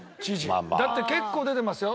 だって結構出てますよ。